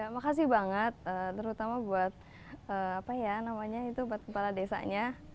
makasih banget terutama buat kepala desanya